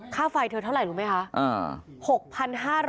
ค่าไฟเธอเท่าไหร่รู้ไหมคะ